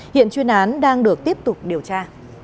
hiện chuyên án đang được tiếp tục điều tra